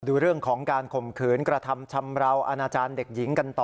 ดูเรื่องของการข่มขืนกระทำชำราวอาณาจารย์เด็กหญิงกันต่อ